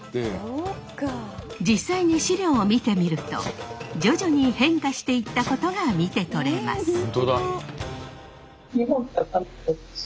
実際に史料を見てみると徐々に変化していったことが見て取れます。